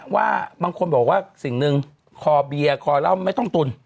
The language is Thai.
ว่าบางคนบอกว่าสิ่งหนึ่งคอเบียร์คอเหล้าไม่ต้องตุน